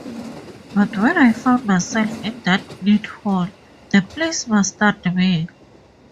But when I found myself in that neat hall the place mastered me.